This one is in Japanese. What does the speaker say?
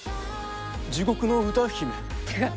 地獄の歌姫？